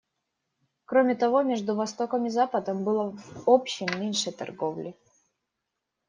Кроме того, между Востоком и Западом было в общем меньше торговли.